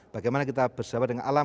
bagaimana kita bersahabat dengan alam